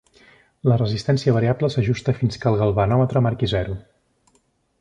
La resistència variable s'ajusta fins que el galvanòmetre marqui zero.